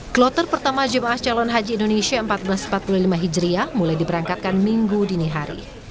kloter pertama jemaah calon haji indonesia seribu empat ratus empat puluh lima hijriah mulai diberangkatkan minggu dini hari